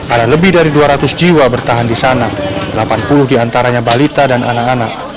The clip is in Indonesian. ada lebih dari dua ratus jiwa bertahan di sana delapan puluh diantaranya balita dan anak anak